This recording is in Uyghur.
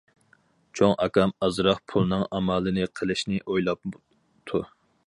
چوڭ ئاكام ئازراق پۇلنىڭ ئامالىنى قىلىشنى ئويلاپتۇ.